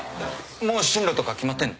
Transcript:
もう進路とか決まってんの？